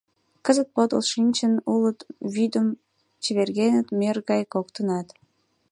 Кызыт подыл шинчын улыт вӱдым Чевергеныт мӧр гай коктынат.